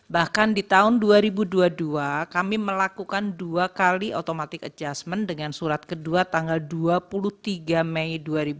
bahkan di tahun dua ribu dua puluh dua kami melakukan dua kali automatic adjustment dengan surat kedua tanggal dua puluh tiga mei dua ribu dua puluh